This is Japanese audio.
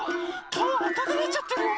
かおあかくなっちゃってるよ